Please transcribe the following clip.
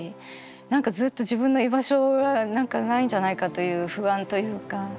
何かずっと自分の居場所がないんじゃないかという不安というか。